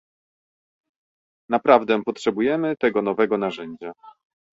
Naprawdę potrzebujemy tego nowego narzędzia